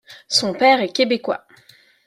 Son père est québécois.